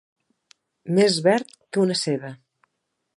Més verd que una ceba.